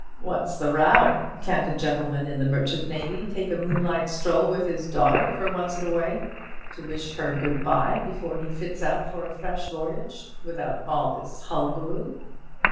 What's the row? Can't a gentleman in the merchant navy take a moonlight stroll with his daughter for once in a way, to wish her good bye before he fits out for a fresh voyage, without all this hullabaloo?"